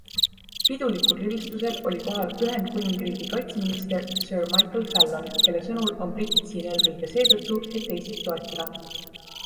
Pidulikul rivistusel oli kohal Ühendkuningriigi kaitseminister Sir Michael Fallon, kelle sõnul on britid siin eelkõige seetõttu, et Eestit toetada.